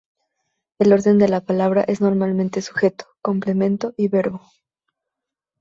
El orden de la palabra es normalmente sujeto, complemento y verbo.